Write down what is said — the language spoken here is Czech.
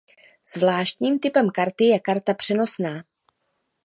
Zvláštním typem karty je karta přenosná.